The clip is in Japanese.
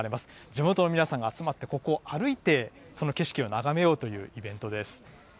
地元の皆さんが集まって、ここを歩いてその景色を眺めようというイベントです。